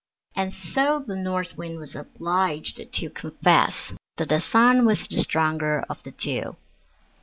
And so the North Wind was obliged to confess that the Sun was the stronger of the two.